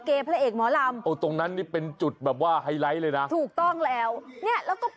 เขาบอกว่าเลิกได้ต้องเลิก